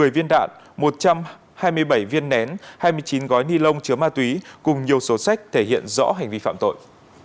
một mươi viên đạn một trăm hai mươi bảy viên nén hai mươi chín gói ni lông chứa ma túy cùng nhiều số sách thể hiện rõ hành vi phạm tội